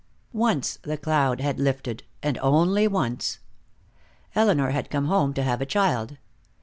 Once the cloud had lifted, and only once. Elinor had come home to have a child.